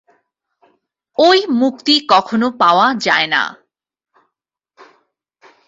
ঐ মুক্তি কখনও পাওয়া যায় না।